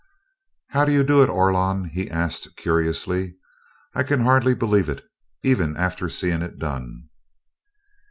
"How do you do it, Orlon?" he asked, curiously. "I can hardly believe it, even after seeing it done."